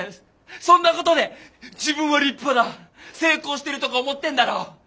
そんなことで自分を立派だ成功してるとか思ってんだろ。